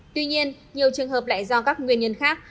tuy nhiên nhiều trường hợp lại do các nguyên nhân khác